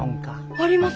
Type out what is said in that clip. あります。